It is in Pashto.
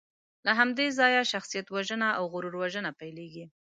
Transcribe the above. له همدې ځایه شخصیتوژنه او غرور وژنه پیلېږي.